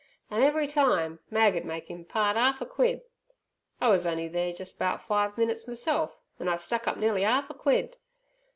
An' every time Mag ud make 'im part 'arf a quid! I was on'y there jus' 'bout five minits meself, an' I stuck up nea'ly 'arf a quid!